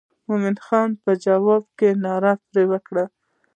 مومن خان په جواب کې ناره پر وکړه.